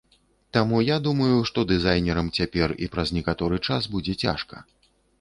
Таму я думаю, што дызайнерам цяпер і праз некаторы час будзе цяжка.